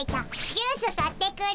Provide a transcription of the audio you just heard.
ジュース買ってくる。